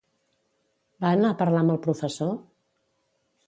Va anar a parlar amb el professor?